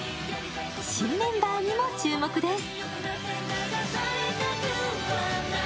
新メンバーにも注目です。